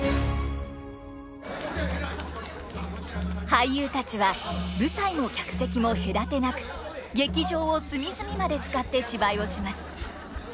俳優たちは舞台も客席も隔てなく劇場を隅々まで使って芝居をします。